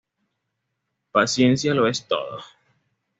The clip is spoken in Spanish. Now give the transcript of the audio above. Paciencia lo es todo".